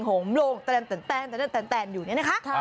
กำลังบันเลงเพลงอยู่เนี่ยนะคะ